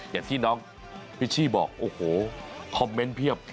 อย่างที่น้องพิชชี่บอกโอ้โหคอมเมนต์เพียบ